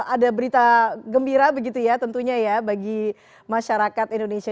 ada berita gembira begitu ya tentunya ya bagi masyarakat indonesia